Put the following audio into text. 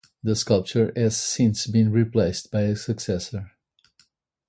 The sculpture has since been replaced by a successor.